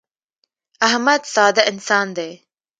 احمد ساده انسان دی.